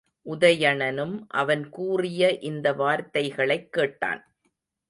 உதயணனும் அவன் கூறிய இந்த வார்த்தைகளைக் கேட்டான்.